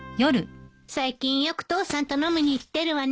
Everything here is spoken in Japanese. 最近よく父さんと飲みに行ってるわね。